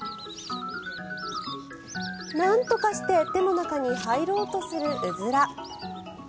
なんとかして手の中に入ろうとするウズラ。